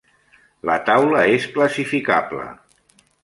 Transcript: La taula és classificable.